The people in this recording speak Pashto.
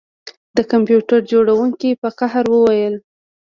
د کمپیوټر جوړونکي په قهر وویل